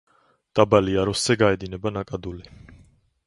დაბალ იარუსზე გაედინება ნაკადული.